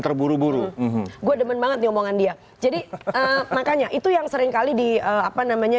terburu buru gua demen banget diomongan dia jadi makanya itu yang seringkali di apa namanya